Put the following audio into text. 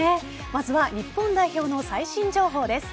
まずは日本代表の最新情報です。